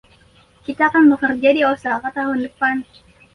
Kita akan bekerja di Osaka tahun depan.